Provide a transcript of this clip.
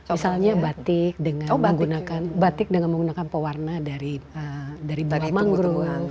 misalnya batik dengan menggunakan pewarna dari buah manggur